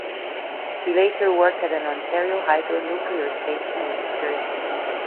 He later worked at an Ontario Hydro nuclear station in security.